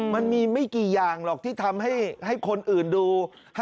มันมีไม่กี่อย่างหรอกที่ทำให้คนอื่นดู